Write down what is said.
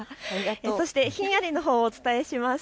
そしてひんやりのほうをお伝えします。